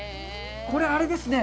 これ、あれですね